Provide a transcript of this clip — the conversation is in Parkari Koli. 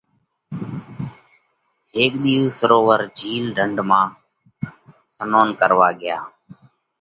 هيڪ ۮِي اُو سرووَر (جھِيل، ڍنڍ) مانه سنونَ ڪروا ڳيا۔